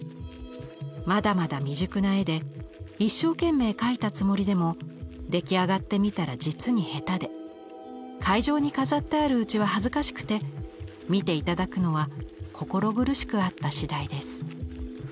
まだまだ未熟な絵で一生懸命描いたつもりでも出来上がってみたら実に下手で会場に飾ってあるうちは恥ずかしくて見て頂くのは心苦しくあった次第です」。